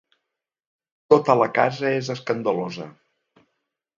Tota la casa és escandalosa.